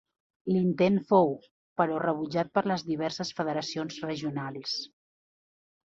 L'intent fou, però rebutjat per les diverses federacions regionals.